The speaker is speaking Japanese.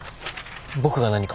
僕が何か。